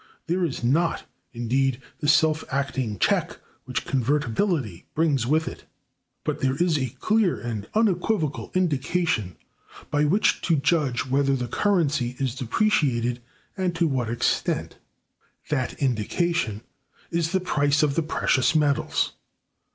There is not, indeed, the self acting check which convertibility brings with it. But there is a clear and unequivocal indication by which to judge whether the currency is depreciated, and to what extent. That indication is the price of the precious metals.